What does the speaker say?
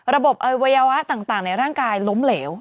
อวัยวะต่างในร่างกายล้มเหลว